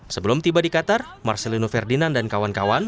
sebelum tiba di qatar marcelino ferdinand dan kawan kawan